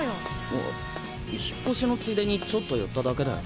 あ引っ越しのついでにちょっと寄っただけだよ。